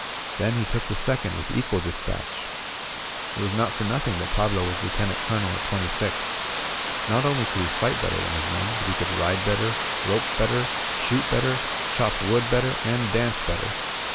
Then he took the second with equal dispatch. It was not for nqthing that Pablo was Lieutenant Colonel at twenty six. Not only could he iSght better than his men, but he could ride better, rope better, shoot better, chop wood better, and dance better.